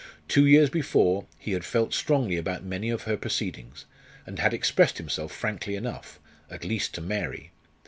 Two years before he had felt strongly about many of her proceedings, and had expressed himself frankly enough, at least to Mary.